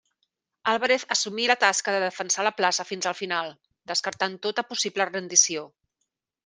Álvarez assumí la tasca de defensar la plaça fins al final, descartant tota possible rendició.